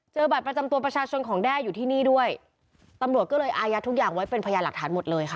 บัตรประจำตัวประชาชนของแด้อยู่ที่นี่ด้วยตำรวจก็เลยอายัดทุกอย่างไว้เป็นพยานหลักฐานหมดเลยค่ะ